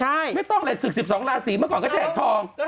จริงเนอะไม่ต้องอะไรสุด๑๒ราศีเมื่อก่อนก็แจกทองใช่